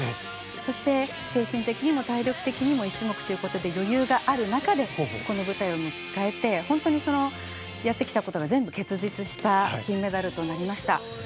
そして、精神的にも体力的にも１種目ということで余裕がある中でこの舞台を迎えて、本当にやってきたことが全部結実した金メダルとなりました。